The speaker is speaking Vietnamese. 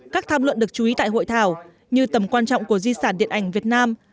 các tham luận được chú ý tại hội thảo như tầm quan trọng của di sản điện ảnh việt nam